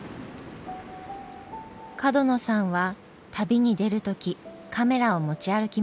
角野さんは旅に出る時カメラを持ち歩きません。